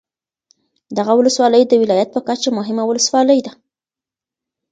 دغه ولسوالي د ولایت په کچه مهمه ولسوالي ده.